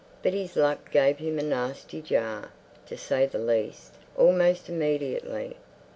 But his luck gave him a nasty jar, to say the least, almost immediately.